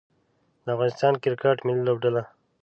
د افغانستان کرکټ ملي لوبډله